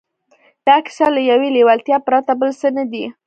دا کیسه له یوې لېوالتیا پرته بل څه نه ده